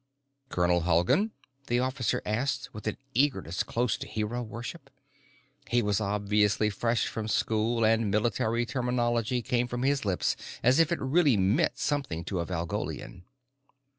"Colonel Halgan?" the officer asked with an eagerness close to hero worship. He was obviously fresh from school and military terminology came from his lips as if it really meant something to a Valgolian.